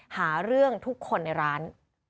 หาเรื่องทุกคนในร้าน